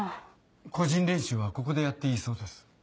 個人練習はここでやっていいそうです。